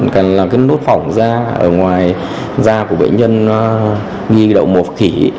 cần làm cái nốt phỏng da ở ngoài da của bệnh nhân nghi đậu mùa khỉ